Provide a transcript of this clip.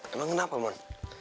emang kenapa moen